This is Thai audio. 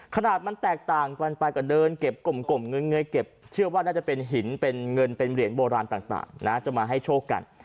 ขนาดมันแตกต่างกันไปก็เดินเก็บกลมเงยเก็บเชื่อว่าน่าจะเป็นหินเป็นเงินเป็นเหรียญโบราณต่างนะจะมาให้โชคกัน